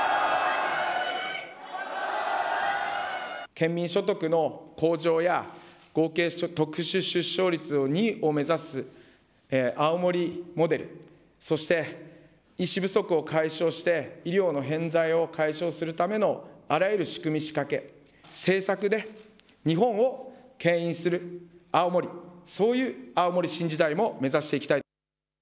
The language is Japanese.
県民所得の向上や合計特殊出生率２を目指す青森モデル、そして医師不足を解消して医療の偏在を解消するためのあらゆる仕組み、仕掛け、政策で日本をけん引する青森、そういう青森新時代も目指していきたい。